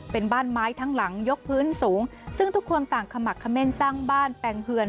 เป็นบ้านไม้ทั้งหลังยกพื้นสูงซึ่งทุกคนต่างขมักเขม่นสร้างบ้านแปลงเฮือน